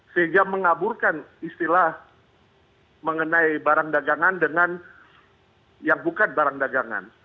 sehingga mengaburkan istilah mengenai barang dagangan dengan yang bukan barang dagangan